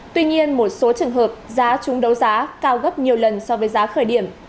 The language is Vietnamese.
tuy nhiên một số trường hợp giá trúng đấu giá cao gấp nhiều lần so với giá khởi điểm